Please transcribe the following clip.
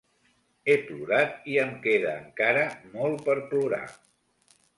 He plorat i em queda encara molt per plorar.